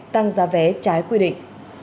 tăng giá vé trái quy định